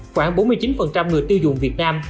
khoảng bốn mươi chín người tiêu dùng việt nam